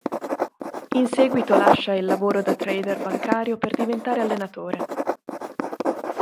In seguito lascia il lavoro da trader bancario, per diventare allenatore.